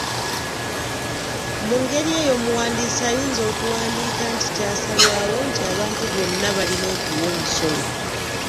Mu ngeri eyo omuwandiisi ayinza okuwandiika nti kyasalwawo nti abantu bonna balina okuwa omusolo.